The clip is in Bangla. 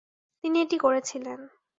তিনি এটি করেছিলেন ।